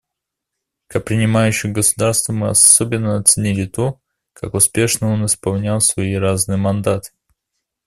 Как принимающее государство, мы особенно оценили то, как успешно он исполнял свои разные мандаты.